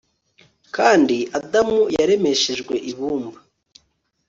kandi adamu yaremeshejwe ibumba